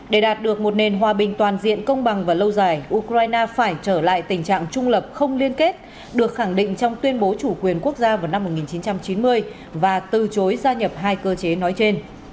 để đạt được một nền hòa bình toàn diện công bằng và lâu dài ukraine phải trở lại tình trạng trung lập không liên kết được khẳng định trong tuyên bố chủ quyền quốc gia vào năm một nghìn chín trăm chín mươi và từ chối gia nhập hai cơ chế nói trên